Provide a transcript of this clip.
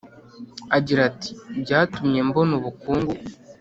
Agira ati byatumye mbona ubukungu